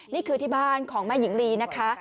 นี่คือที่บ้านของแม่หญิงลีนะคะ